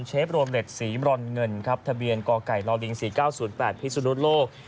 เชฟโรงเร็ดสีบรรเงินทะเบียนกไก่รลิงสี่เก้าศูนย์แปดพิสุนุนโลก